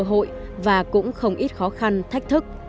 cơ hội và cũng không ít khó khăn thách thức